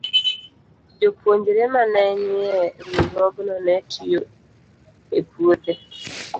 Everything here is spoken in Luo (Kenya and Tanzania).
Jopuonjre ma ne nie riwruogno ne tiyo e puothe.